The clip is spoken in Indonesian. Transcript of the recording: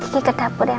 kiki ke dapur ya mbak